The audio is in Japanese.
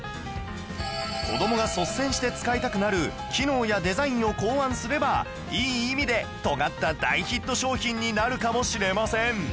子供が率先して使いたくなる機能やデザインを考案すればいい意味で尖った大ヒット商品になるかもしれません